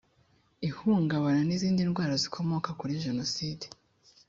ihungabana n izindi ndwara zikomoka kuri jenoside